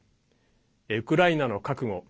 ウクライナの覚悟